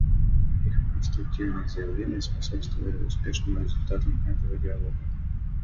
Их конструктивные заявления способствовали успешным результатам этого Диалога.